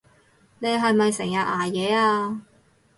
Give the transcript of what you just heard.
你係咪成日捱夜啊？